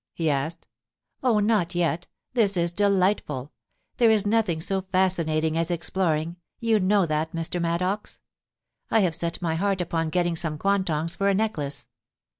* he asked * Oh, not yet This is delightful There is nothing so fascinating as exploring; you know that, Mr. Maddox. I have set my heart upon getting some quantongs for a neck lace.